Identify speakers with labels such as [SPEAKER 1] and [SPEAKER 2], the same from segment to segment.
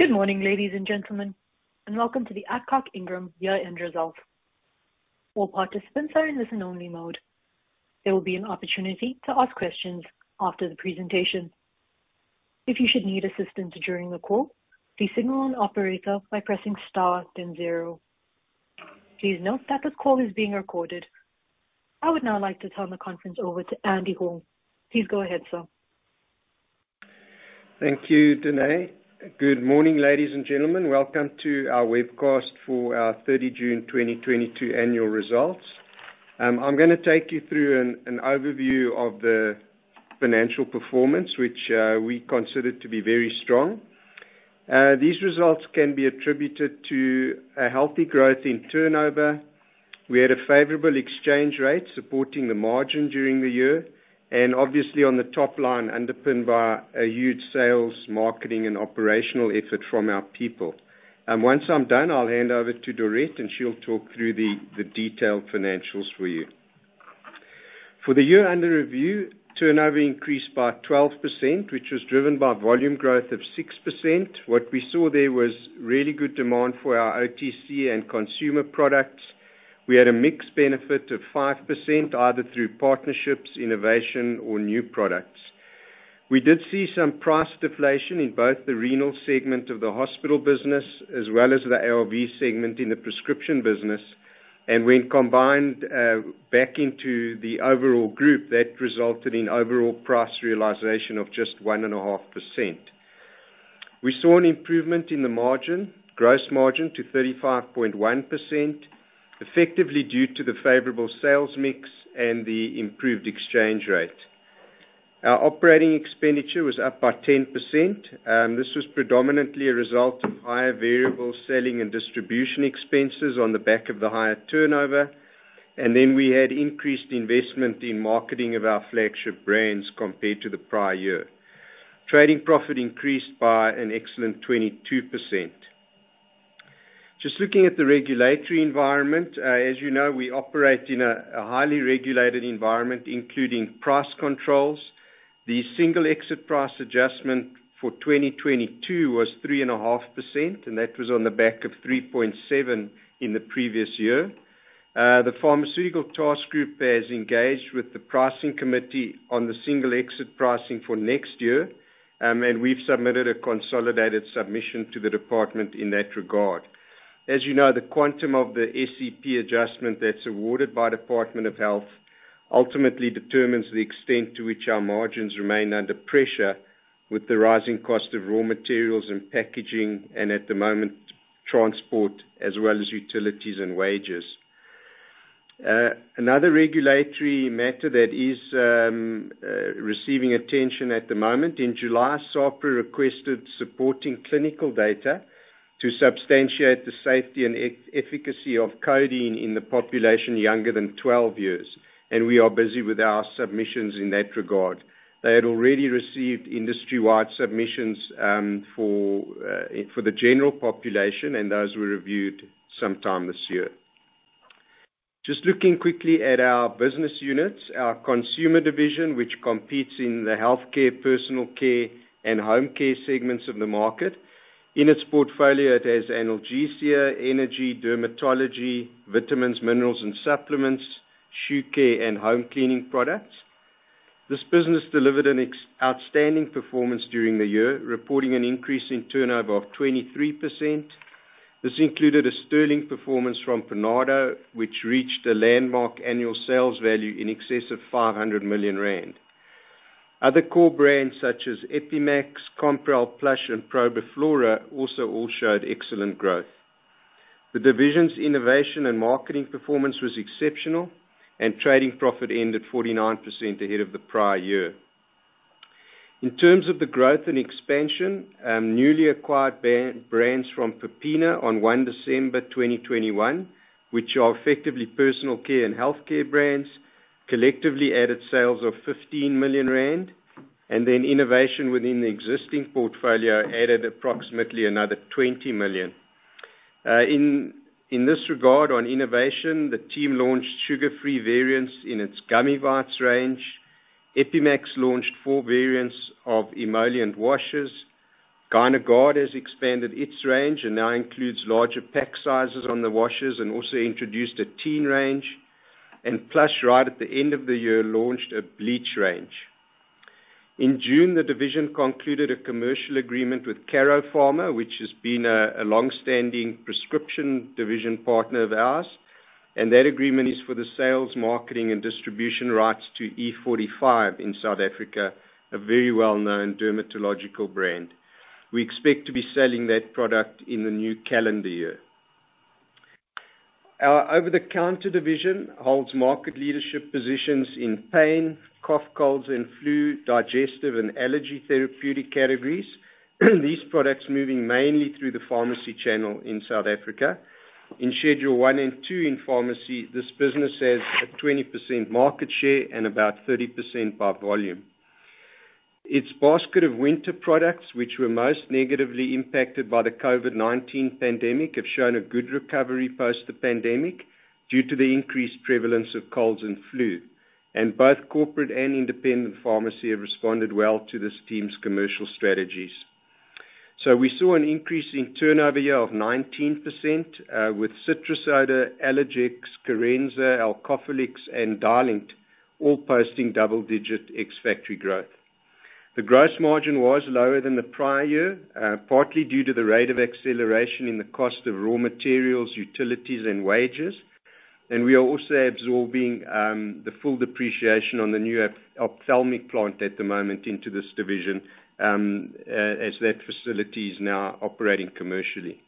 [SPEAKER 1] Good morning, ladies and gentlemen, and welcome to the Adcock Ingram year-end results. All participants are in listen only mode. There will be an opportunity to ask questions after the presentation. If you should need assistance during the call, please signal an operator by pressing star then zero. Please note that this call is being recorded. I would now like to turn the conference over to Andy Hall. Please go ahead, sir.
[SPEAKER 2] Thank you, Danae. Good morning, ladies and gentlemen. Welcome to our webcast for our 30th June 2022 annual results. I'm gonna take you through an overview of the financial performance, which we consider to be very strong. These results can be attributed to a healthy growth in turnover. We had a favorable exchange rate supporting the margin during the year, and obviously on the top line underpinned by a huge sales, marketing, and operational effort from our people. Once I'm done, I'll hand over to Dorette, and she'll talk through the detailed financials for you. For the year under review, turnover increased by 12%, which was driven by volume growth of 6%. What we saw there was really good demand for our OTC and consumer products. We had a mix benefit of 5%, either through partnerships, innovation or new products. We did see some price deflation in both the renal segment of the hospital business as well as the ARV segment in the prescription business. When combined back into the overall group, that resulted in overall price realization of just 1.5%. We saw an improvement in the margin, gross margin to 35.1%, effectively due to the favorable sales mix and the improved exchange rate. Our operating expenditure was up by 10%. This was predominantly a result of higher variable selling and distribution expenses on the back of the higher turnover. Then we had increased investment in marketing of our flagship brands compared to the prior year. Trading profit increased by an excellent 22%. Just looking at the regulatory environment, as you know, we operate in a highly regulated environment, including price controls. The Single Exit Price adjustment for 2022 was 3.5%, and that was on the back of 3.7% in the previous year. The Pharmaceutical Task Group has engaged with the pricing committee on the Single Exit Price for next year. We've submitted a consolidated submission to the department in that regard. As you know, the quantum of the SEP adjustment that's awarded by Department of Health ultimately determines the extent to which our margins remain under pressure with the rising cost of raw materials and packaging, and at the moment, transport as well as utilities and wages. Another regulatory matter that is receiving attention at the moment, in July, SAHPRA requested supporting clinical data to substantiate the safety and efficacy of codeine in the population younger than 12 years. We are busy with our submissions in that regard. They had already received industry-wide submissions for the general population, and those were reviewed sometime this year. Just looking quickly at our business units. Our consumer division, which competes in the healthcare, personal care, and home care segments of the market. In its portfolio, it has analgesia, energy, dermatology, vitamins, minerals and supplements, shoe care and home cleaning products. This business delivered an outstanding performance during the year, reporting an increase in turnover of 23%. This included a sterling performance from Panado, which reached a landmark annual sales value in excess of 500 million rand. Other core brands such as EpiMax, Compral, Plush and Probiflora also all showed excellent growth. The division's innovation and marketing performance was exceptional, and trading profit ended 49% ahead of the prior year. In terms of the growth and expansion, newly acquired brands from Peppina on 1 December 2021, which are effectively personal care and healthcare brands, collectively added sales of 15 million rand, and then innovation within the existing portfolio added approximately another 20 million. In this regard on innovation, the team launched sugar-free variants in its Gummy Vites range. Epi-Max launched four variants of emollient washes. Gynagard has expanded its range and now includes larger pack sizes on the washes and also introduced a teen range. Plush, right at the end of the year, launched a bleach range. In June, the division concluded a commercial agreement with Karo Pharma, which has been a long-standing prescription division partner of ours, and that agreement is for the sales, marketing and distribution rights to E45 in South Africa, a very well-known dermatological brand. We expect to be selling that product in the new calendar year. Our over-the-counter division holds market leadership positions in pain, cough, colds and flu, digestive and allergy therapeutic categories, these products moving mainly through the pharmacy channel in South Africa. In Schedule I and II in pharmacy, this business has a 20% market share and about 30% by volume. Its basket of winter products, which were most negatively impacted by the COVID-19 pandemic, have shown a good recovery post the pandemic due to the increased prevalence of colds and flu. Both corporate and independent pharmacy have responded well to this team's commercial strategies. We saw an increase in turnover year-on-year of 19% with Citro-Soda, Allergex, Corenza, Alcophyllex, and Dilinct all posting double-digit ex-factory growth. The gross margin was lower than the prior year, partly due to the rate of acceleration in the cost of raw materials, utilities, and wages. We are also absorbing the full depreciation on the new ophthalmic plant at the moment into this division, as that facility is now operating commercially.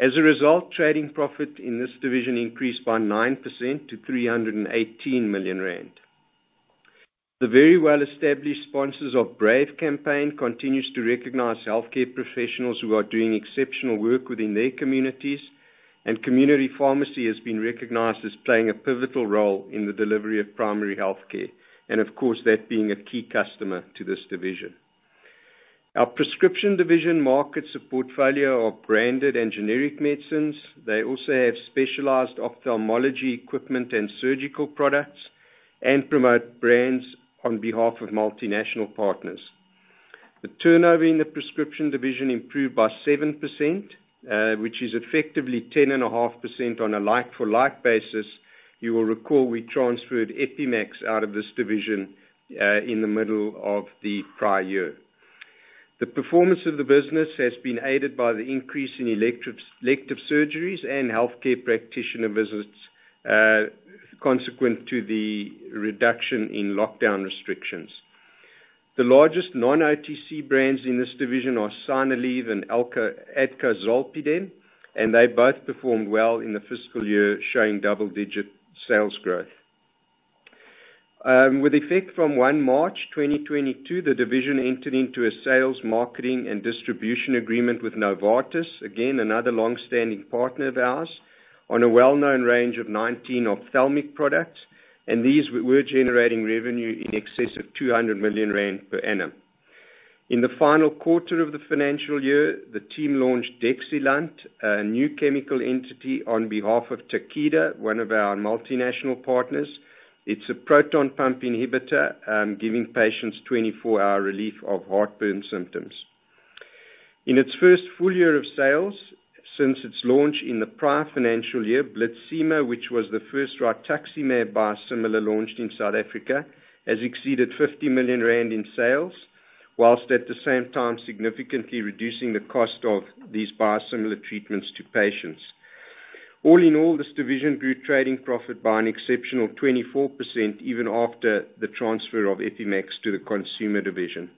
[SPEAKER 2] As a result, trading profit in this division increased by 9% to 318 million rand. The very well-established Sponsors of Brave campaign continues to recognize healthcare professionals who are doing exceptional work within their communities, and community pharmacy has been recognized as playing a pivotal role in the delivery of primary health care and, of course, that being a key customer to this division. Our prescription division markets a portfolio of branded and generic medicines. They also have specialized ophthalmology equipment and surgical products and promote brands on behalf of multinational partners. The turnover in the prescription division improved by 7%, which is effectively 10.5% on a like for like basis. You will recall we transferred Epi-Max out of this division in the middle of the prior year. The performance of the business has been aided by the increase in elective surgeries and healthcare practitioner visits, consequent to the reduction in lockdown restrictions. The largest non-OTC brands in this division are Sinuleve and Adco-Zolpidem, and they both performed well in the fiscal year, showing double-digit sales growth. With effect from 1st March 2022, the division entered into a sales, marketing, and distribution agreement with Novartis, again, another long-standing partner of ours, on a well-known range of 19 ophthalmic products, and these were generating revenue in excess of 200 million rand per annum. In the final quarter of the financial year, the team launched Dexilant, a new chemical entity on behalf of Takeda, one of our multinational partners. It's a proton pump inhibitor, giving patients 24-hour relief of heartburn symptoms. In its first full year of sales since its launch in the prior financial year, Blitzima, which was the first rituximab biosimilar launched in South Africa, has exceeded 50 million rand in sales, while at the same time significantly reducing the cost of these biosimilar treatments to patients. All in all, this division grew trading profit by an exceptional 24% even after the transfer of Epi-Max to the consumer division.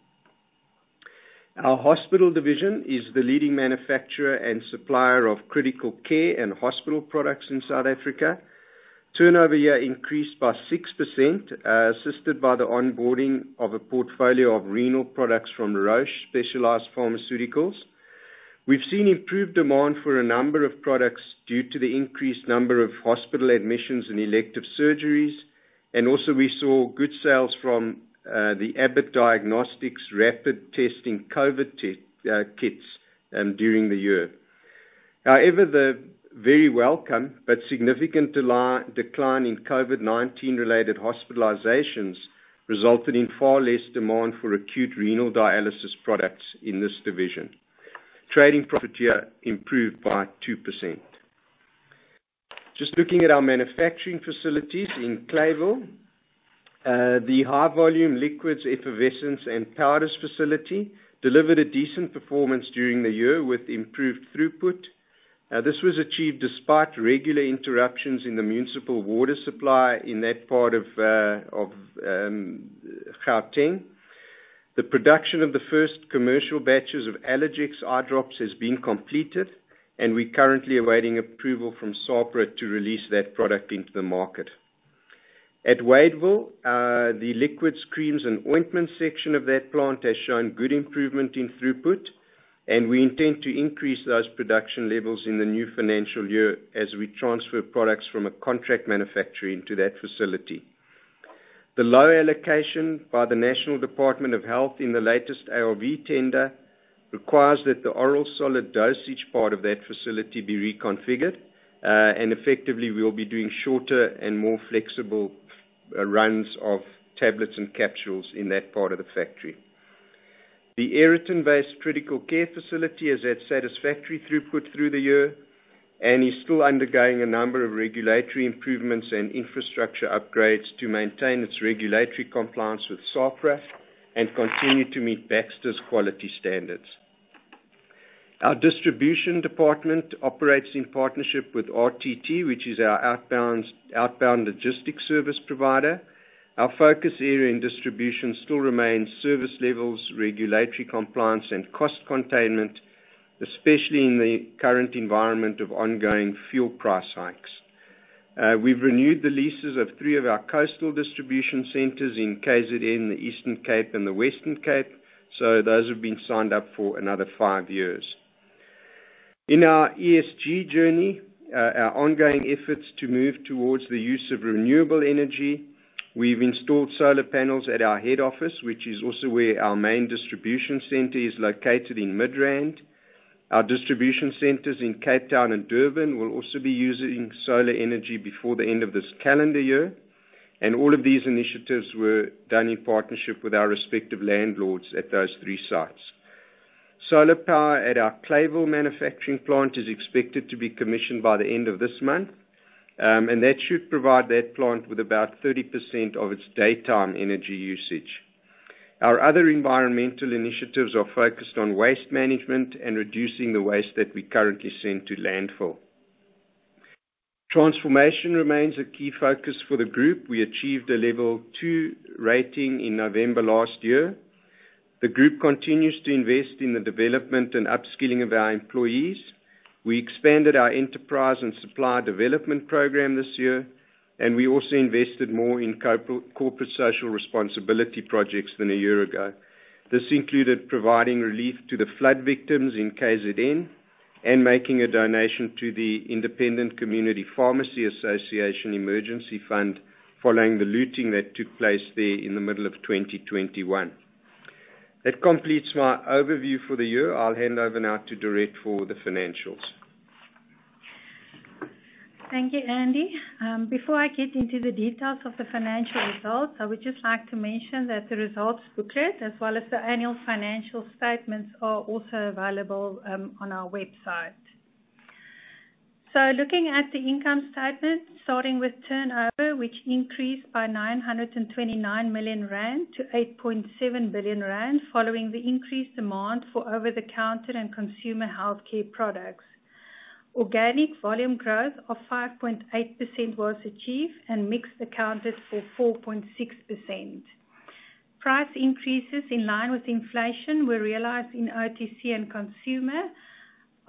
[SPEAKER 2] Our hospital division is the leading manufacturer and supplier of critical care and hospital products in South Africa. Turnover year-on-year increased by 6%, assisted by the onboarding of a portfolio of renal products from Roche Pharmaceuticals. We've seen improved demand for a number of products due to the increased number of hospital admissions and elective surgeries, and also we saw good sales from the Abbott Diagnostics rapid testing COVID test kits during the year. However, the very welcome but significant decline in COVID-19 related hospitalizations resulted in far less demand for acute renal dialysis products in this division. Trading profit here improved by 2%. Just looking at our manufacturing facilities in Clayville. The high-volume liquids, effervescent, and powders facility delivered a decent performance during the year with improved throughput. This was achieved despite regular interruptions in the municipal water supply in that part of Gauteng. The production of the first commercial batches of Allergex eye drops has been completed, and we're currently awaiting approval from SAHPRA to release that product into the market. At Wadeville, the liquids, creams, and ointments section of that plant has shown good improvement in throughput, and we intend to increase those production levels in the new financial year as we transfer products from a contract manufacturer into that facility. The low allocation by the National Department of Health in the latest ARV tender requires that the oral solid dosage part of that facility be reconfigured, and effectively, we will be doing shorter and more flexible runs of tablets and capsules in that part of the factory. The Aeroton-based critical care facility has had satisfactory throughput through the year and is still undergoing a number of regulatory improvements and infrastructure upgrades to maintain its regulatory compliance with SAHPRA and continue to meet Baxter's quality standards. Our distribution department operates in partnership with RTT, which is our outbound logistics service provider. Our focus area in distribution still remains service levels, regulatory compliance, and cost containment, especially in the current environment of ongoing fuel price hikes. We've renewed the leases of three of our coastal distribution centers in KZN, the Eastern Cape, and the Western Cape, so those have been signed up for another five years. In our ESG journey, our ongoing efforts to move towards the use of renewable energy, we've installed solar panels at our head office, which is also where our main distribution center is located in Midrand. Our distribution centers in Cape Town and Durban will also be using solar energy before the end of this calendar year. All of these initiatives were done in partnership with our respective landlords at those three sites. Solar power at our Clayville manufacturing plant is expected to be commissioned by the end of this month, and that should provide that plant with about 30% of its daytime energy usage. Our other environmental initiatives are focused on waste management and reducing the waste that we currently send to landfill. Transformation remains a key focus for the group. We achieved a level two rating in November last year. The group continues to invest in the development and upskilling of our employees. We expanded our enterprise and supplier development program this year, and we also invested more in corporate social responsibility projects than a year ago. This included providing relief to the flood victims in KZN and making a donation to the Independent Community Pharmacy Association Emergency Fund following the looting that took place there in the middle of 2021. That completes my overview for the year. I'll hand over now to Dorette for the financials.
[SPEAKER 3] Thank you, Andy. Before I get into the details of the financial results, I would just like to mention that the results booklet as well as the annual financial statements are also available, on our website. Looking at the income statement, starting with turnover, which increased by 929 million rand to 8.7 billion rand, following the increased demand for over-the-counter and consumer healthcare products. Organic volume growth of 5.8% was achieved and mix accounted for 4.6%. Price increases in line with inflation were realized in OTC and consumer.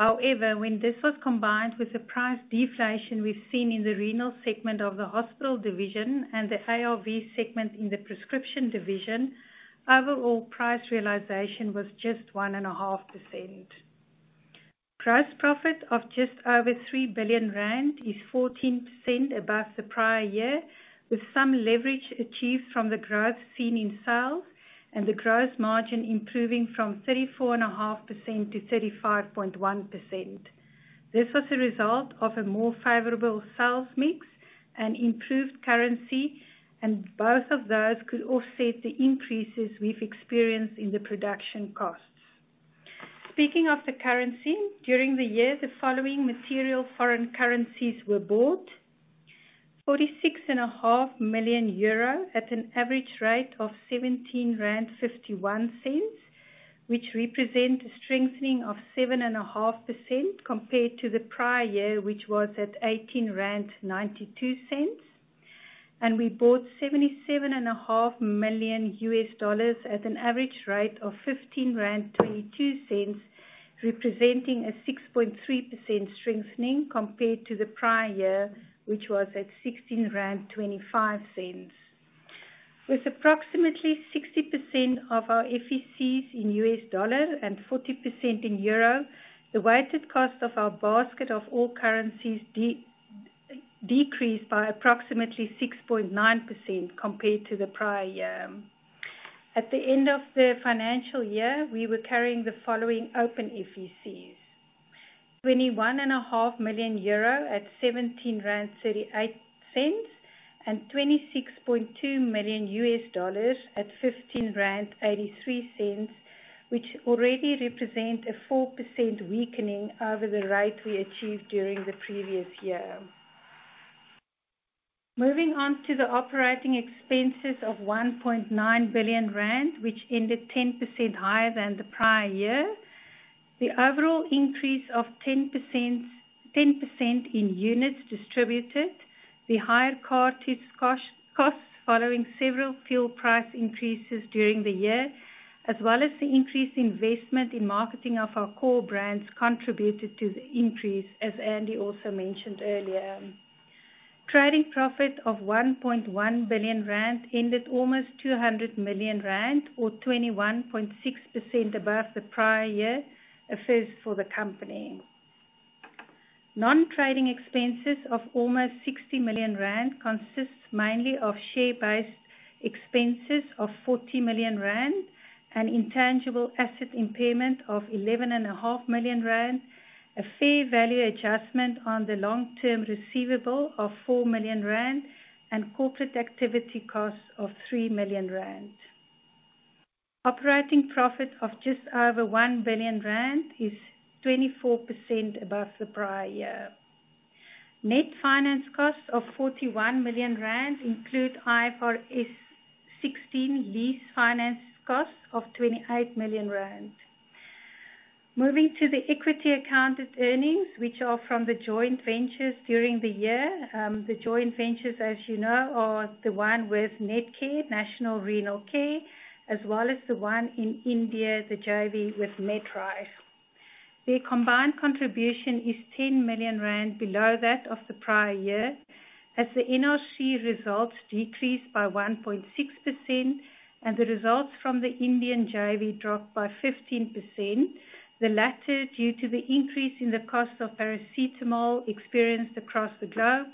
[SPEAKER 3] However, when this was combined with the price deflation we've seen in the renal segment of the hospital division and the ARV segment in the prescription division, overall price realization was just 1.5%. Gross profit of just over 3 billion rand is 14% above the prior year, with some leverage achieved from the growth seen in sales and the gross margin improving from 34.5% - 35.1%. This was a result of a more favorable sales mix and improved currency, and both of those could offset the increases we've experienced in the production costs. Speaking of the currency, during the year, the following material foreign currencies were bought: 46.5 million euro at an average rate of 17.51 rand, which represent a strengthening of 7.5% compared to the prior year, which was at 18.92 rand. We bought $77.5 million at an average rate of 15.22 rand representing 6.3% strengthening compared to the prior year which was at 16.25 rand. With approximately 60% of our FEC in USD and 40% in euro our basket of all currencies decreased by approximately 6.9% compared to the prior year. At the end of the financial year, we were carrying the following open FECs. 21.5 million euro at 17.38 rand, and $26.2 million at 15.83 rand, which already represent a 4% weakening over the rate we achieved during the previous year. Moving on to the operating expenses of 1.9 billion rand, which ended 10% higher than the prior year. The overall increase of 10% in units distributed. Higher cartage costs following several fuel price increases during the year, as well as the increased investment in marketing of our core brands contributed to the increase, as Andy also mentioned earlier. Trading profit of 1.1 billion rand ended almost 200 million rand or 21.6% above the prior year, a first for the company. Non-trading expenses of almost 60 million rand consist mainly of share-based expenses of 40 million rand, an intangible asset impairment of 11.5 million rand, a fair value adjustment on the long-term receivable of 4 million rand, and corporate activity costs of 3 million rand. Operating profit of just over 1 billion rand is 24% above the prior year. Net finance costs of 41 million rand include IFRS 16 lease finance costs of 28 million rand. Moving to the equity accounted earnings, which are from the joint ventures during the year. The joint ventures, as you know, are the one with Netcare, National Renal Care, as well as the one in India, the JV with Medreich. Their combined contribution is 10 million rand below that of the prior year, as the NRC results decreased by 1.6% and the results from the Indian JV dropped by 15%, the latter due to the increase in the cost of paracetamol experienced across the globe,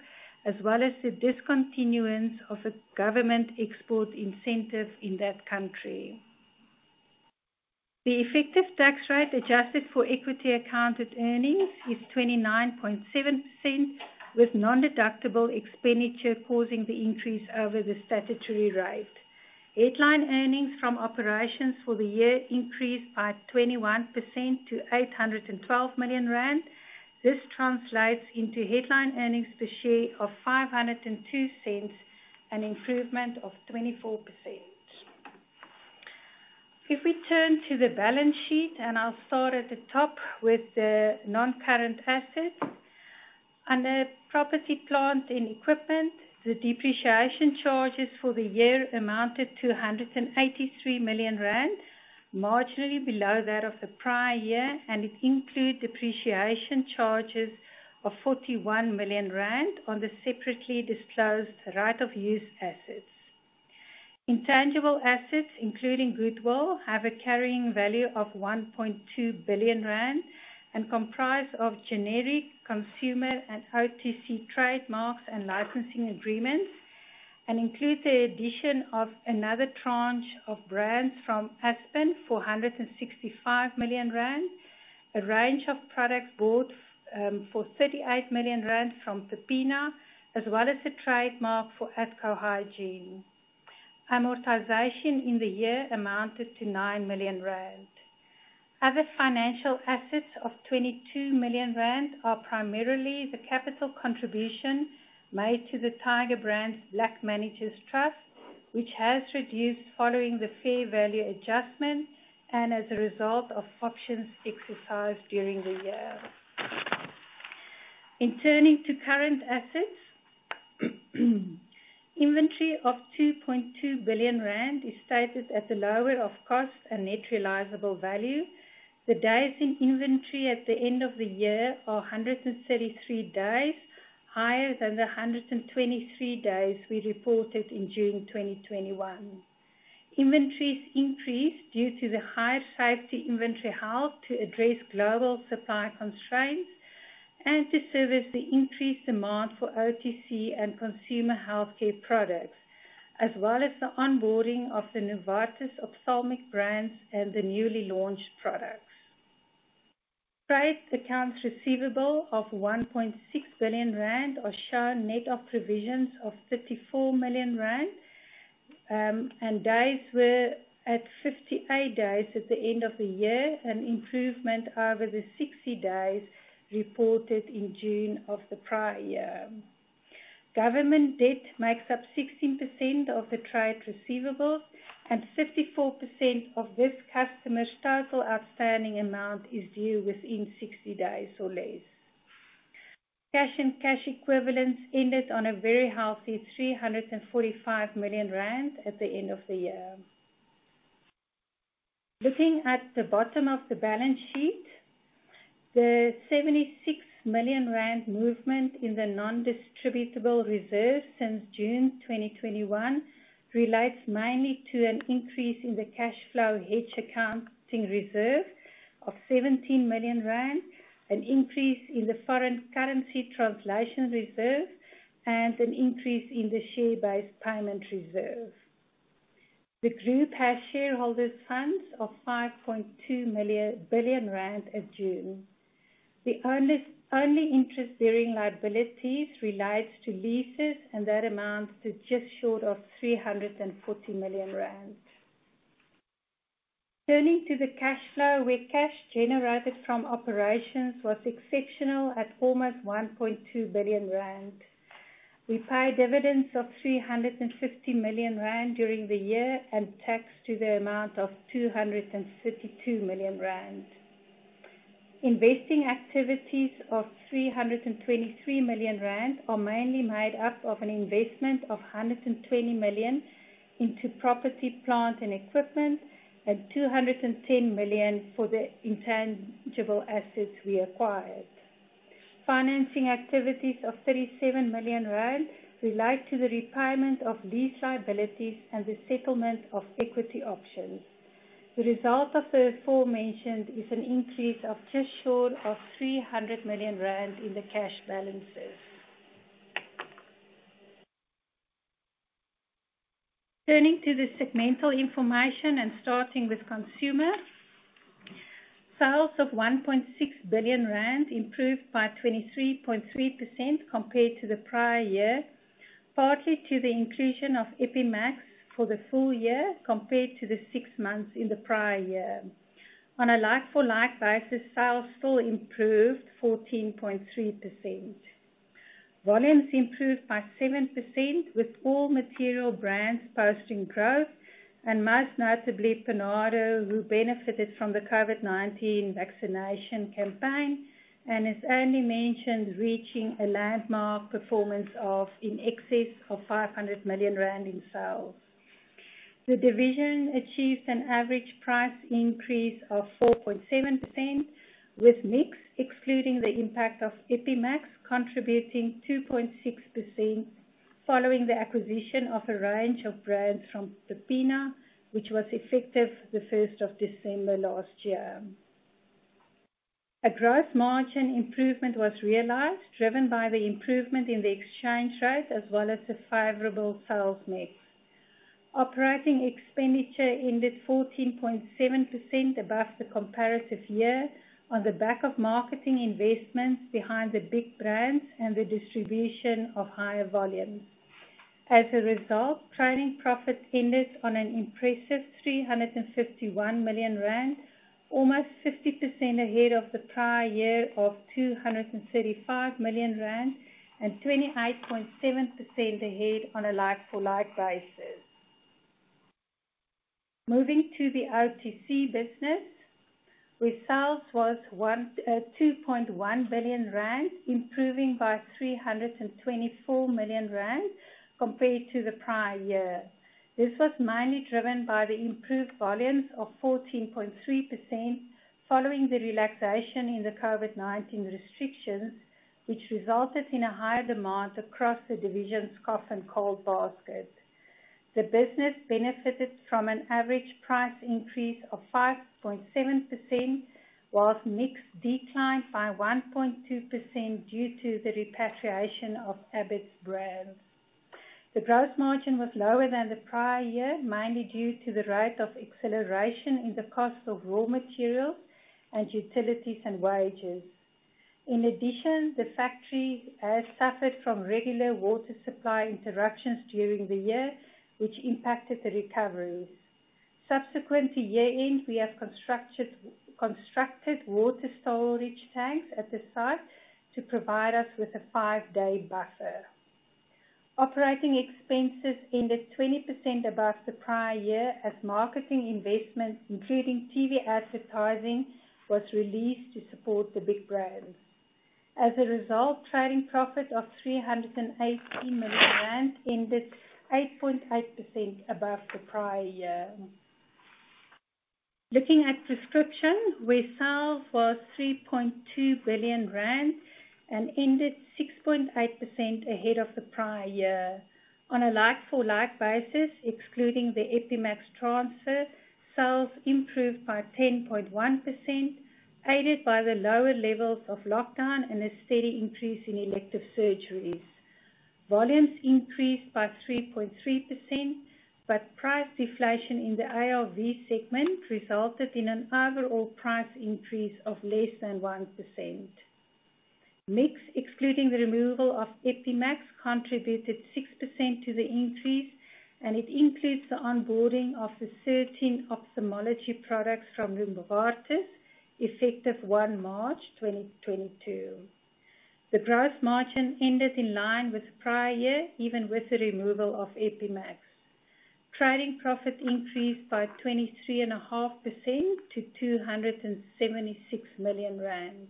[SPEAKER 3] as well as the discontinuance of a government export incentive in that country. The effective tax rate adjusted for equity accounted earnings is 29.7%, with nondeductible expenditure causing the increase over the statutory rate. Headline earnings from operations for the year increased by 21% to 812 million rand. This translates into headline earnings per share of 502 cents, an improvement of 24%. If we turn to the balance sheet, and I'll start at the top with the non-current assets. Under property, plant, and equipment, the depreciation charges for the year amounted to 183 million rand, marginally below that of the prior year, and it includes depreciation charges of 41 million rand on the separately disclosed right-of-use assets. Intangible assets, including goodwill, have a carrying value of 1.2 billion rand and comprise of generic consumer and OTC trademarks and licensing agreements, and includes the addition of another tranche of brands from Aspen for 165 million rand, a range of products bought for 38 million rand from Peppina, as well as a trademark for Adco-Hygiene. Amortization in the year amounted to 9 million rand. Other financial assets of 22 million rand are primarily the capital contribution made to the Tiger Brands Black Managers Trust, which has reduced following the fair value adjustment and as a result of options exercised during the year. In turning to current assets, inventory of 2.2 billion rand is stated at the lower of cost and net realizable value. The days in inventory at the end of the year are 133 days, higher than the 123 days we reported in June 2021. Inventories increased due to the higher safety inventory held to address global supply constraints and to service the increased demand for OTC and consumer healthcare products, as well as the onboarding of the Novartis Ophthalmic brands and the newly launched products. Trade accounts receivable of 1.6 billion rand are shown net of provisions of 34 million rand, and days were at 58 days at the end of the year, an improvement over the 60 days reported in June of the prior year. Government debt makes up 16% of the trade receivables, and 54% of this customer's total outstanding amount is due within 60 days or less. Cash and cash equivalents ended on a very healthy 345 million rand at the end of the year. Looking at the bottom of the balance sheet, the 76 million rand movement in the non-distributable reserve since June 2021 relates mainly to an increase in the cash flow hedge accounting reserve of 17 million rand, an increase in the foreign currency translation reserve, and an increase in the share-based payment reserve. The group has shareholders' funds of 5.2 billion rand in June. The only interest-bearing liabilities relates to leases, and that amounts to just short of 340 million rand. Turning to the cash flow, where cash generated from operations was exceptional at almost 1.2 billion rand. We paid dividends of 350 million rand during the year and taxes to the amount of 232 million rand. Investing activities of 323 million rand are mainly made up of an investment of 120 million into property, plant, and equipment and 210 million for the intangible assets we acquired. Financing activities of 37 million rand relate to the repayment of lease liabilities and the settlement of equity options. The result of the aforementioned is an increase of just short of 300 million rand in the cash balances. Turning to the segmental information and starting with consumer. Sales of 1.6 billion rand improved by 23.3% compared to the prior year, partly to the inclusion of Epi-Max for the full year compared to the six months in the prior year. On a like-for-like basis, sales still improved 14.3%. Volumes improved by 7%, with all material brands posting growth, and most notably, Panado, who benefited from the COVID-19 vaccination campaign and as Andy mentioned, reaching a landmark performance of in excess of 500 million rand in sales. The division achieved an average price increase of 4.7%, with mix excluding the impact of Epi-Max contributing 2.6% following the acquisition of a range of brands from Peppina, which was effective the 1st of December last year. A gross margin improvement was realized, driven by the improvement in the exchange rate as well as the favorable sales mix. Operating expenditure ended 14.7% above the comparative year on the back of marketing investments behind the big brands and the distribution of higher volumes. As a result, trading profits ended on an impressive 351 million rand, almost 50% ahead of the prior year of 235 million rand and 28.7% ahead on a like-for-like basis. Moving to the OTC business, where sales was 2.1 billion rand, improving by 324 million rand compared to the prior year. This was mainly driven by the improved volumes of 14.3% following the relaxation in the COVID-19 restrictions, which resulted in a higher demand across the division's cough and cold basket. The business benefited from an average price increase of 5.7%, while mix declined by 1.2% due to the repatriation of Abbott's brand. The gross margin was lower than the prior year, mainly due to the rate of acceleration in the cost of raw materials and utilities and wages. In addition, the factory has suffered from regular water supply interruptions during the year, which impacted the recoveries. Subsequent to year-end, we have constructed water storage tanks at the site to provide us with a five-day buffer. Operating expenses ended 20% above the prior year as marketing investments, including TV advertising, was released to support the big brands. As a result, trading profit of 318 million rand ended 8.8% above the prior year. Looking at prescription, where sales was ZAR 3.2 billion and ended 6.8% ahead of the prior year. On a like-for-like basis, excluding the Epi-Max transfer, sales improved by 10.1%, aided by the lower levels of lockdown and a steady increase in elective surgeries. Volumes increased by 3.3%, but price deflation in the ARV segment resulted in an overall price increase of less than 1%. Mix, excluding the removal of Epi-Max, contributed 6% to the increase, and it includes the onboarding of the 13 ophthalmology products from Novartis, effective 1st March 2022. The gross margin ended in line with the prior year, even with the removal of Epi-Max. Trading profit increased by 23.5% - 276 million rand.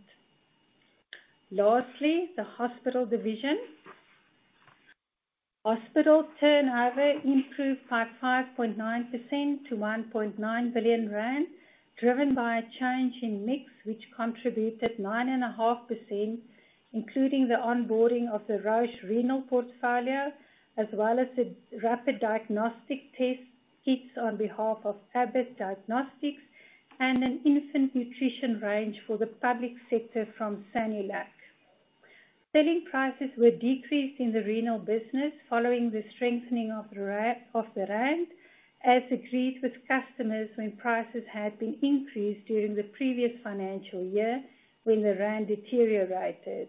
[SPEAKER 3] Lastly, the hospital division. Hospital turnover improved by 5.9% -1.9 billion rand, driven by a change in mix which contributed 9.5%, including the onboarding of the Roche renal portfolio, as well as the rapid diagnostic test kits on behalf of Abbott Diagnostics and an infant nutrition range for the public sector from Sanulac. Selling prices were decreased in the renal business following the strengthening of the rand, as agreed with customers when prices had been increased during the previous financial year when the rand deteriorated.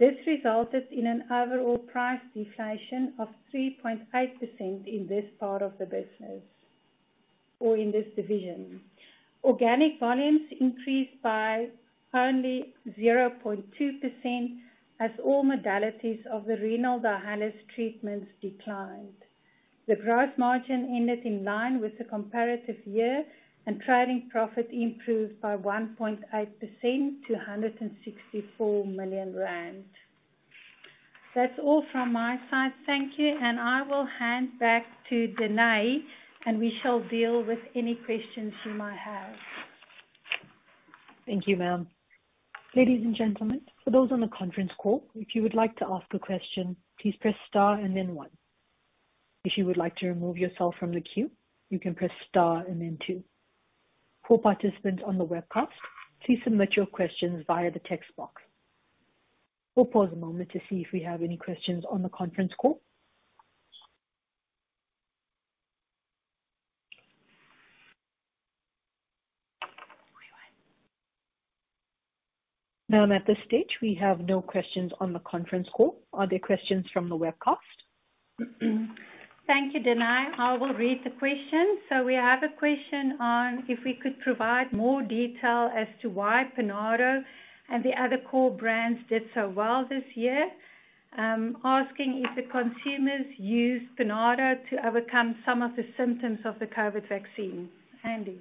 [SPEAKER 3] This resulted in an overall price deflation of 3.8% in this part of the business or in this division. Organic volumes increased by only 0.2%, as all modalities of the renal dialysis treatments declined. The gross margin ended in line with the comparative year, and trading profit improved by 1.8% to 164 million rand. That's all from my side. Thank you. I will hand back to Danae, and we shall deal with any questions you might have.
[SPEAKER 1] Thank you, ma'am. Ladies and gentlemen, for those on the conference call, if you would like to ask a question, please press star and then one. If you would like to remove yourself from the queue, you can press star and then two. For participants on the webcast, please submit your questions via the text box. We'll pause a moment to see if we have any questions on the conference call. Now, at this stage, we have no questions on the conference call. Are there questions from the webcast?
[SPEAKER 3] Thank you, Danae. I will read the question. We have a question on if we could provide more detail as to why Panado and the other core brands did so well this year. Asking if the consumers used Panado to overcome some of the symptoms of the COVID vaccine. Andy?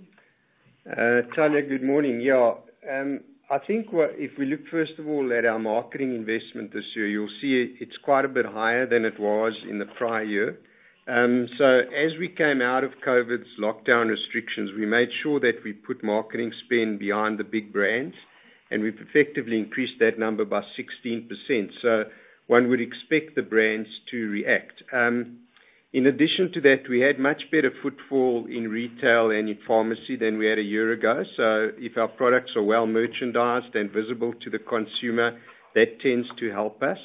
[SPEAKER 2] Tanya, good morning. Yeah. I think if we look, first of all, at our marketing investment this year, you'll see it's quite a bit higher than it was in the prior year. As we came out of COVID's lockdown restrictions, we made sure that we put marketing spend behind the big brands, and we've effectively increased that number by 16%. One would expect the brands to react. In addition to that, we had much better footfall in retail and in pharmacy than we had a year ago. If our products are well merchandised and visible to the consumer, that tends to help us.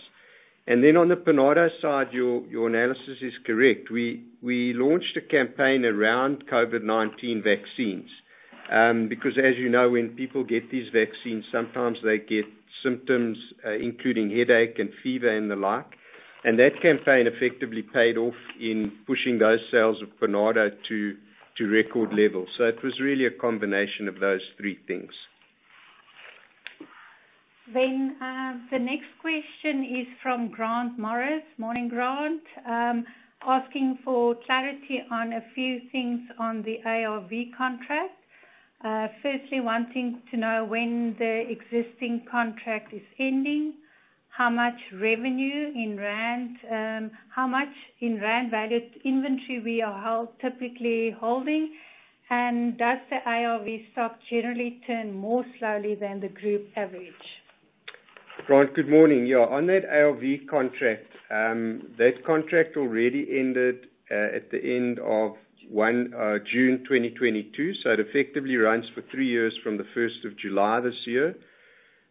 [SPEAKER 2] Then on the Panado side, your analysis is correct. We launched a campaign around COVID-19 vaccines, because as you know, when people get these vaccines, sometimes they get symptoms, including headache and fever and the like. That campaign effectively paid off in pushing those sales of Panado to record levels. It was really a combination of those three things.
[SPEAKER 3] The next question is from Grant Morris. Morning, Grant. Asking for clarity on a few things on the ARV contract. Firstly, wanting to know when the existing contract is ending, how much revenue in rand, how much in rand valued inventory we are typically holding, and does the ARV stock generally turn more slowly than the group average?
[SPEAKER 2] Grant, good morning. Yeah, on that ARV contract, that contract already ended at the end of June 2022, so it effectively runs for three years from the 1st of July this year.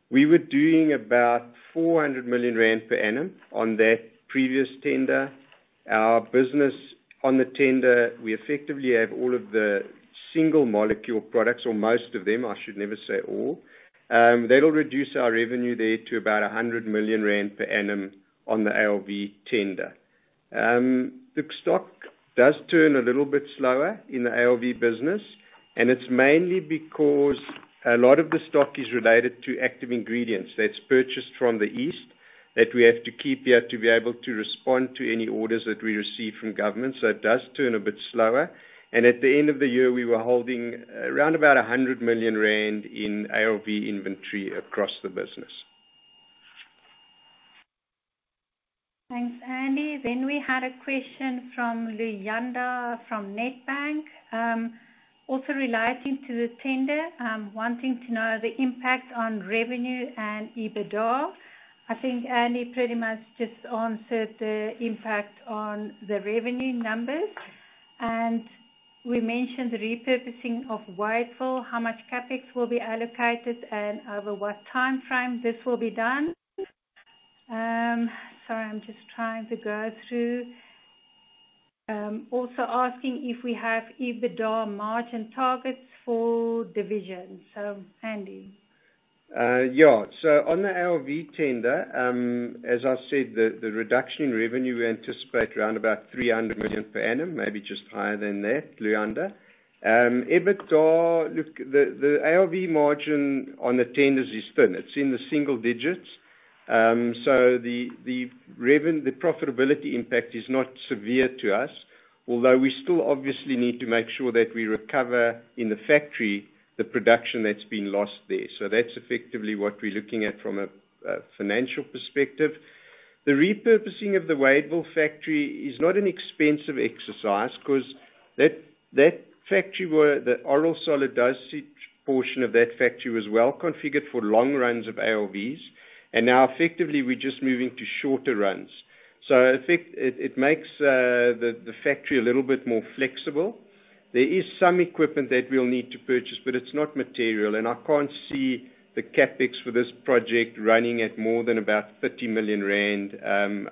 [SPEAKER 2] We were doing about 400 million rand per annum on that previous tender. Our business on the tender, we effectively have all of the single molecule products or most of them, I should never say all. That'll reduce our revenue there to about 100 million rand per annum on the ARV tender. The stock does turn a little bit slower in the ARV business, and it's mainly because a lot of the stock is related to active ingredients that's purchased from the East that we have to keep there to be able to respond to any orders that we receive from government. It does turn a bit slower. At the end of the year, we were holding around about 100 million rand in ARV inventory across the business.
[SPEAKER 3] Thanks, Andy. We had a question from Luyanda from Nedbank, also relating to the tender, wanting to know the impact on revenue and EBITDA. I think Andy pretty much just answered the impact on the revenue numbers. We mentioned the repurposing of Wadeville, how much CapEx will be allocated and over what timeframe this will be done. Sorry, I'm just trying to go through. Also asking if we have EBITDA margin targets for divisions. Andy.
[SPEAKER 2] On the ARV tender, as I said, the reduction in revenue we anticipate around about 300 million per annum, maybe just higher than that, Luyanda. EBITDA, look, the ARV margin on the tenders is thin. It's in the single digits, so the profitability impact is not severe to us, although we still obviously need to make sure that we recover in the factory the production that's been lost there. That's effectively what we're looking at from a financial perspective. The repurposing of the Wadeville factory is not an expensive exercise 'cause that factory where the oral solid dosage portion of that factory was well configured for long runs of ARVs, and now effectively we're just moving to shorter runs. It makes the factory a little bit more flexible. There is some equipment that we'll need to purchase, but it's not material. I can't see the CapEx for this project running at more than about 30 million rand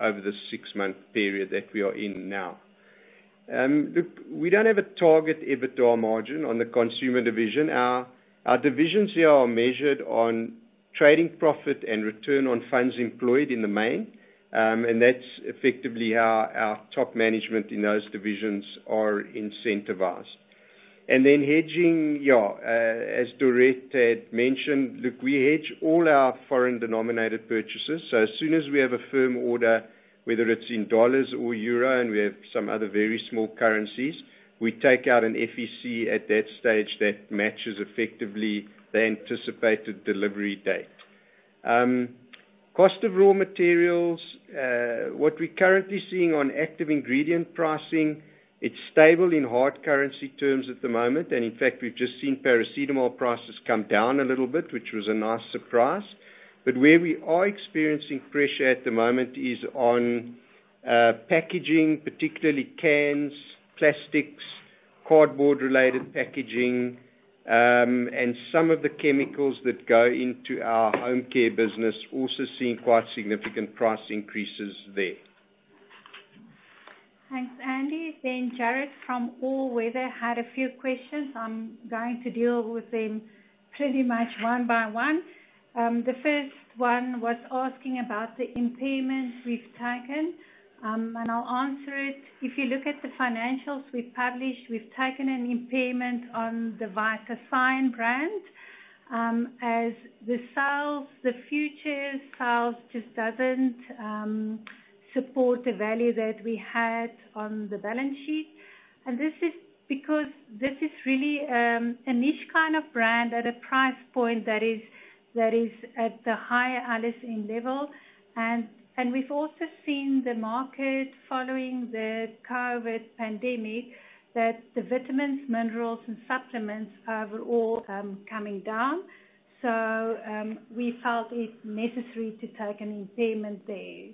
[SPEAKER 2] over the six-month period that we are in now. We don't have a target EBITDA margin on the consumer division. Our divisions here are measured on trading profit and return on funds employed in the main, and that's effectively how our top management in those divisions are incentivized. Hedging, as Dorette had mentioned, we hedge all our foreign denominated purchases. As soon as we have a firm order, whether it's in dollars or euro, and we have some other very small currencies, we take out an FEC at that stage that matches effectively the anticipated delivery date. Cost of raw materials, what we're currently seeing on active ingredient pricing, it's stable in hard currency terms at the moment. In fact, we've just seen paracetamol prices come down a little bit, which was a nice surprise. Where we are experiencing pressure at the moment is on packaging, particularly cans, plastics, cardboard related packaging, and some of the chemicals that go into our home care business, also seeing quite significant price increases there.
[SPEAKER 3] Thanks, Andy. Jared from All Weather Capital had a few questions. I'm going to deal with them pretty much one by one. The first one was asking about the impairment we've taken, and I'll answer it. If you look at the financials we've published, we've taken an impairment on the Vita-Thion brand, as the sales, the future sales just doesn't support the value that we had on the balance sheet. And this is because this is really a niche kind of brand at a price point that is at the higher-end level. And we've also seen the market following the COVID pandemic, that the vitamins, minerals, and supplements are all coming down. We felt it necessary to take an impairment there.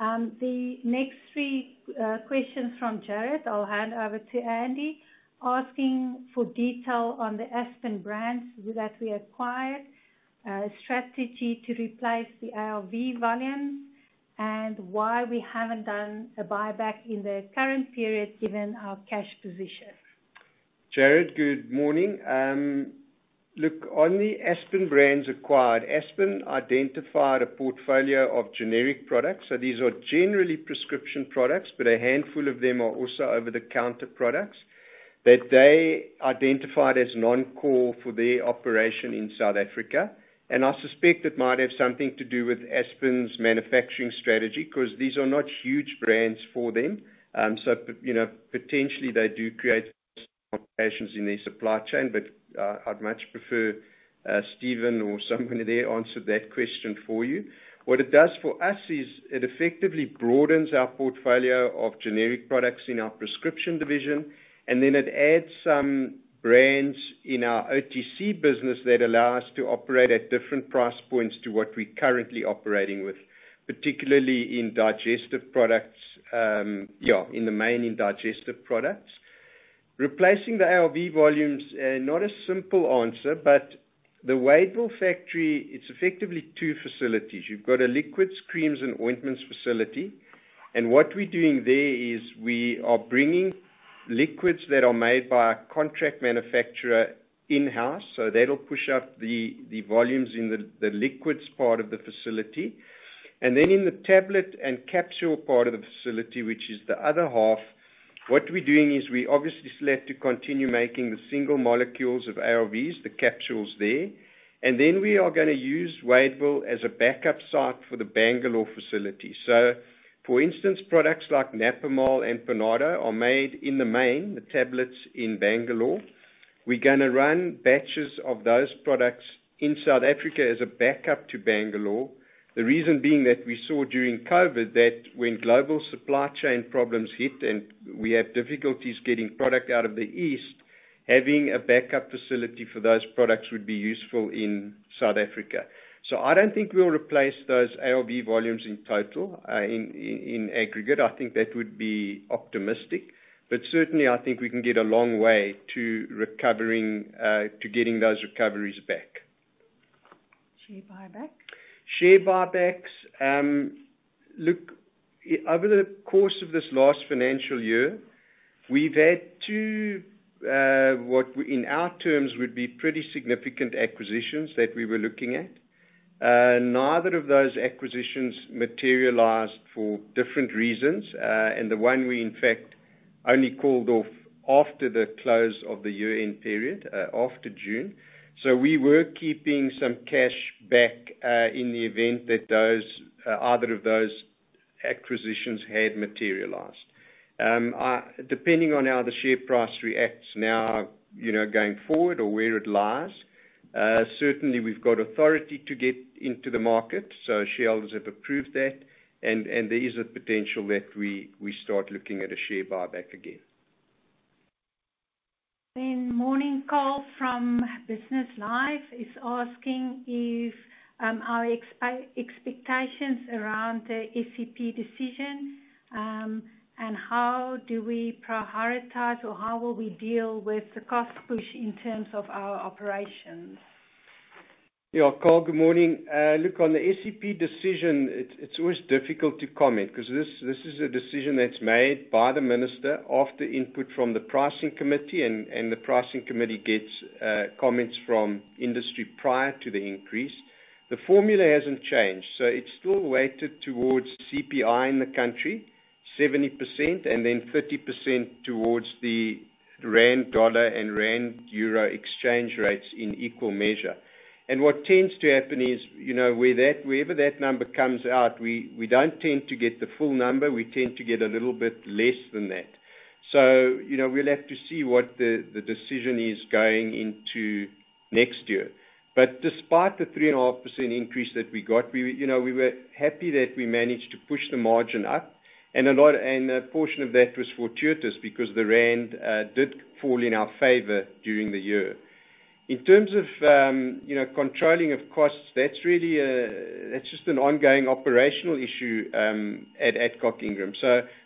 [SPEAKER 3] The next three questions from Jared, I'll hand over to Andy, asking for detail on the Aspen brands that we acquired, strategy to replace the ARV volumes and why we haven't done a buyback in the current period, given our cash position.
[SPEAKER 2] Jared, good morning. On the Aspen brands acquired, Aspen identified a portfolio of generic products. These are generally prescription products, but a handful of them are also over-the-counter products that they identified as non-core for their operation in South Africa. I suspect it might have something to do with Aspen's manufacturing strategy, 'cause these are not huge brands for them. You know, potentially they do create complications in their supply chain. I'd much prefer Steven or someone there answer that question for you. What it does for us is it effectively broadens our portfolio of generic products in our prescription division, and then it adds some brands in our OTC business that allow us to operate at different price points to what we're currently operating with, particularly in digestive products. In the main in digestive products. Replacing the ARV volumes, not a simple answer, but the Wadeville factory, it's effectively two facilities. You've got a liquids, creams and ointments facility. What we're doing there is we are bringing liquids that are made by a contract manufacturer in-house, so that'll push up the volumes in the liquids part of the facility. In the tablet and capsule part of the facility, which is the other half, what we're doing is we obviously still have to continue making the single molecules of ARVs, the capsules there. We are gonna use Wadeville as a backup site for the Bangalore facility. For instance, products like Naprosyn and Panado are made mainly the tablets in Bangalore. We're gonna run batches of those products in South Africa as a backup to Bangalore. The reason being that we saw during COVID that when global supply chain problems hit and we have difficulties getting product out of the East, having a backup facility for those products would be useful in South Africa. I don't think we'll replace those ARV volumes in total, in aggregate. I think that would be optimistic. Certainly I think we can get a long way to recovering, to getting those recoveries back.
[SPEAKER 3] Share buyback.
[SPEAKER 2] Share buybacks. Look, over the course of this last financial year, we've had two, in our terms would be pretty significant acquisitions that we were looking at. Neither of those acquisitions materialized for different reasons. The one we in fact only called off after the close of the year-end period, after June. We were keeping some cash back, in the event that those, either of those acquisitions had materialized. Depending on how the share price reacts now, you know, going forward or where it lies, certainly we've got authority to get into the market, so shareholders have approved that. There is a potential that we start looking at a share buyback again.
[SPEAKER 3] Morning Call from BusinessLIVE is asking if our expectations around the SEP decision, and how do we prioritize or how will we deal with the cost push in terms of our operations?
[SPEAKER 2] Yeah. Carl, good morning. Look, on the SEP decision, it's always difficult to comment 'cause this is a decision that's made by the minister after input from the pricing committee, and the pricing committee gets comments from industry prior to the increase. The formula hasn't changed, so it's still weighted towards CPI in the country, 70%, and then 30% towards the rand/dollar and rand/euro exchange rates in equal measure. What tends to happen is, you know, wherever that number comes out, we don't tend to get the full number. We tend to get a little bit less than that. You know, we'll have to see what the decision is going into next year. Despite the 3.5% increase that we got, we, you know, were happy that we managed to push the margin up. A portion of that was fortuitous because the rand did fall in our favor during the year. In terms of, you know, controlling of costs, that's really just an ongoing operational issue at Adcock Ingram.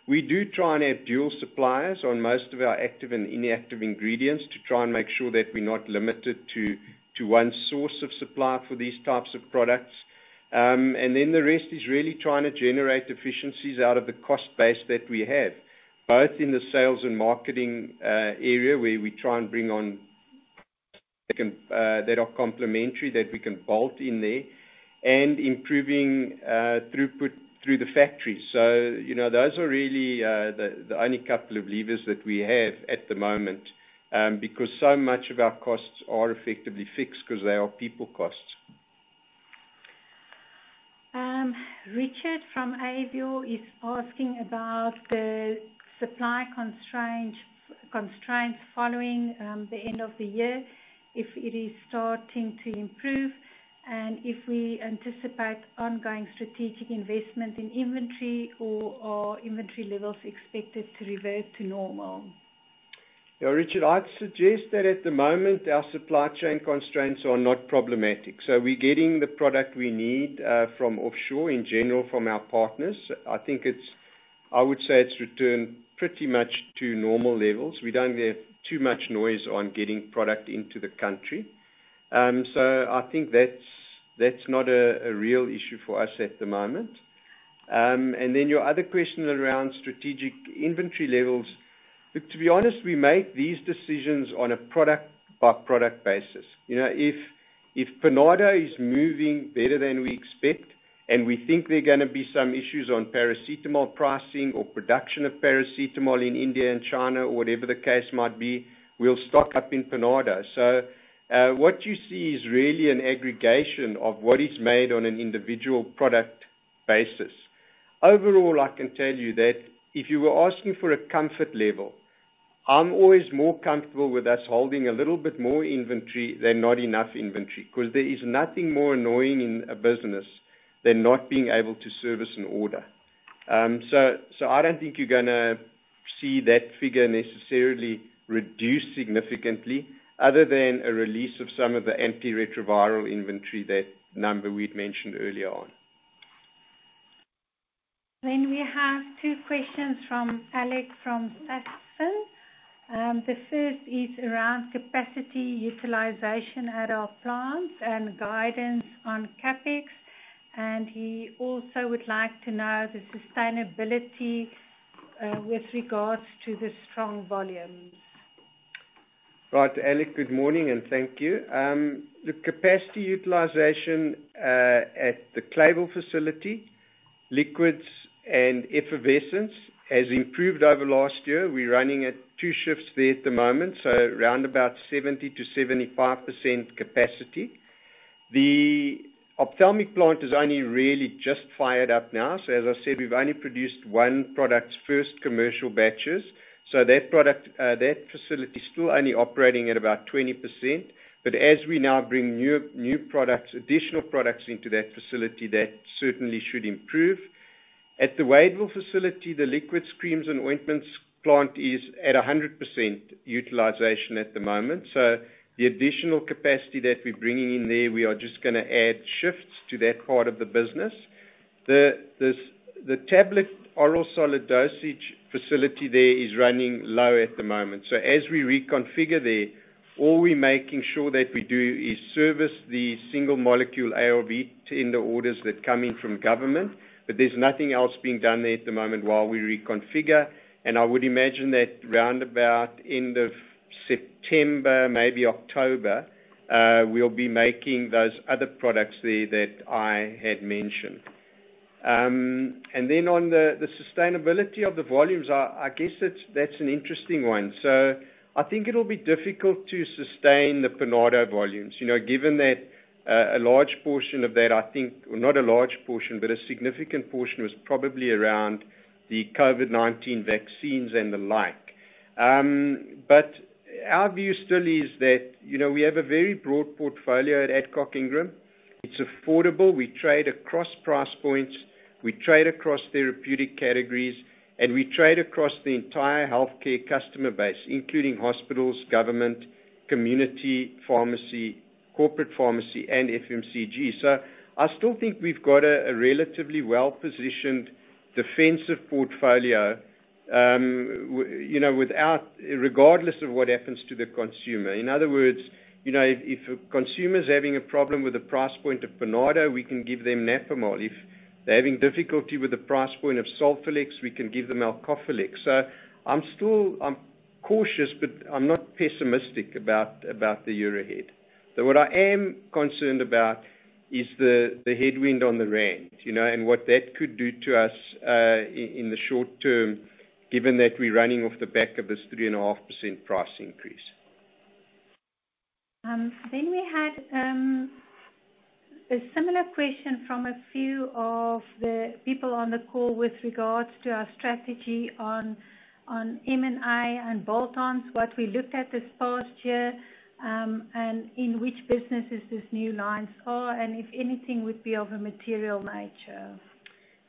[SPEAKER 2] We do try and have dual suppliers on most of our active and inactive ingredients to try and make sure that we're not limited to one source of supply for these types of products. The rest is really trying to generate efficiencies out of the cost base that we have, both in the sales and marketing area where we try and bring on that are complementary, that we can bolt in there, and improving throughput through the factory. You know, those are really the only couple of levers that we have at the moment, because so much of our costs are effectively fixed 'cause they are people costs.
[SPEAKER 3] Richard from Avior is asking about the supply constraints following the end of the year, if it is starting to improve. If we anticipate ongoing strategic investment in inventory or are inventory levels expected to revert to normal?
[SPEAKER 2] Yeah, Richard, I'd suggest that at the moment, our supply chain constraints are not problematic. We're getting the product we need from offshore in general from our partners. I think it's returned pretty much to normal levels. We don't get too much noise on getting product into the country. I think that's not a real issue for us at the moment. Your other question around strategic inventory levels. Look, to be honest, we make these decisions on a product by product basis. You know, if Panado is moving better than we expect and we think there are gonna be some issues on paracetamol pricing or production of paracetamol in India and China or whatever the case might be, we'll stock up in Panado. What you see is really an aggregation of what is made on an individual product basis. Overall, I can tell you that if you were asking for a comfort level, I'm always more comfortable with us holding a little bit more inventory than not enough inventory, 'cause there is nothing more annoying in a business than not being able to service an order. I don't think you're gonna see that figure necessarily reduce significantly other than a release of some of the antiretroviral inventory, that number we'd mentioned earlier on.
[SPEAKER 3] We have two questions from Alex from Sasfin. The first is around capacity utilization at our plants and guidance on CapEx. He also would like to know the sustainability with regards to the strong volumes.
[SPEAKER 2] Right. Alex, good morning and thank you. The capacity utilization at the Clayville facility, liquids and effervescence has improved over last year. We're running at two shifts there at the moment, so around about 70%-75% capacity. The ophthalmic plant is only really just fired up now. As I said, we've only produced one product's first commercial batches. That product, that facility is still only operating at about 20%. As we now bring new products, additional products into that facility, that certainly should improve. At the Wadeville facility, the liquids, creams and ointments plant is at 100% utilization at the moment. The additional capacity that we're bringing in there, we are just gonna add shifts to that part of the business. The tablet oral solid dosage facility there is running low at the moment. As we reconfigure there, all we're making sure that we do is service the single molecule ARV tender orders that come in from government, but there's nothing else being done there at the moment while we reconfigure. I would imagine that round about end of September, maybe October, we'll be making those other products there that I had mentioned. On the sustainability of the volumes, I guess that's an interesting one. I think it'll be difficult to sustain the Panado volumes, you know, given that a large portion of that, I think, or not a large portion, but a significant portion was probably around the COVID-19 vaccines and the like. Our view still is that, you know, we have a very broad portfolio at Adcock Ingram. It's affordable. We trade across price points, we trade across therapeutic categories, and we trade across the entire healthcare customer base, including hospitals, government, community, pharmacy, corporate pharmacy, and FMCG. I still think we've got a relatively well-positioned defensive portfolio, you know, regardless of what happens to the consumer. In other words, you know, if a consumer's having a problem with the price point of Panado, we can give them Napamol. If they're having difficulty with the price point of Solphyllex, we can give them Alcophyllex. I'm still cautious, but I'm not pessimistic about the year ahead. What I am concerned about is the headwind on the rand, you know, and what that could do to us, in the short term, given that we're running off the back of this 3.5% price increase.
[SPEAKER 3] We had a similar question from a few of the people on the call with regards to our strategy on M&A and bolt-ons, what we looked at this past year, and in which businesses these new lines are, and if anything would be of a material nature.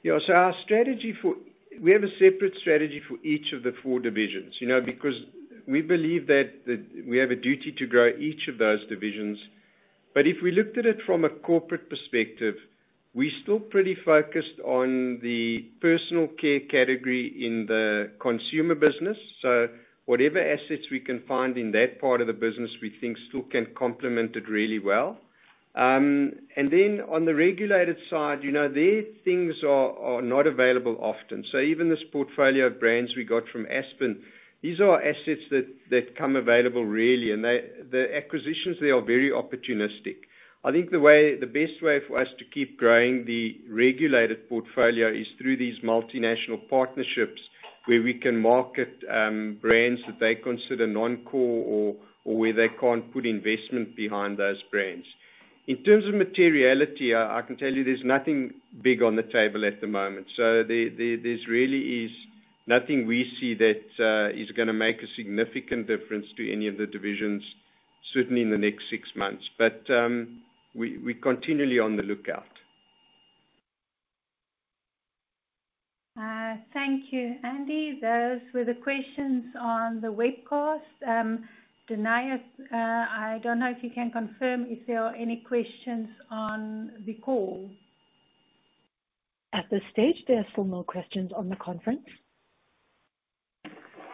[SPEAKER 2] We have a separate strategy for each of the four divisions, you know, because we believe that we have a duty to grow each of those divisions. If we looked at it from a corporate perspective, we're still pretty focused on the personal care category in the consumer business. Whatever assets we can find in that part of the business, we think still can complement it really well. On the regulated side, you know, there things are not available often. Even this portfolio of brands we got from Aspen, these are assets that come available rarely, and they, the acquisitions there are very opportunistic. I think the best way for us to keep growing the regulated portfolio is through these multinational partnerships where we can market brands that they consider non-core or where they can't put investment behind those brands. In terms of materiality, I can tell you there's nothing big on the table at the moment. There's really nothing we see that is gonna make a significant difference to any of the divisions certainly in the next six months. We're continually on the lookout.
[SPEAKER 3] Thank you, Andy. Those were the questions on the webcast. Danae, I don't know if you can confirm if there are any questions on the call.
[SPEAKER 1] At this stage, there are four more questions on the conference.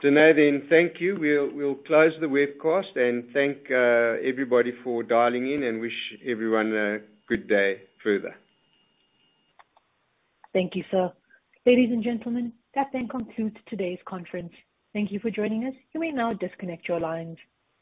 [SPEAKER 2] Danae, then, thank you. We'll close the webcast and thank everybody for dialing in and wish everyone a good day further.
[SPEAKER 1] Thank you, sir. Ladies and gentlemen, that then concludes today's conference. Thank you for joining us. You may now disconnect your lines.